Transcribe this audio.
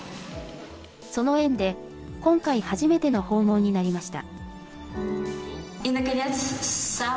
その縁で、今回初めての訪問になりました。